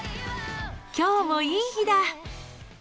きょうもいい日だっ。